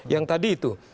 yang tadi itu